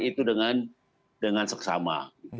mereka mengamati itu dengan seksama